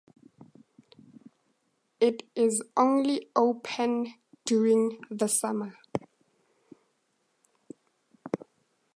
It is only open during the summer.